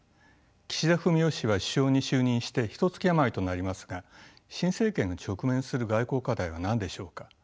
岸田文雄氏は首相に就任してひとつき余りとなりますが新政権が直面する外交課題は何でしょうか。